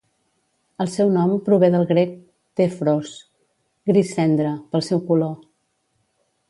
El seu nom prové del grec "tephros", "gris cendra", pel seu color.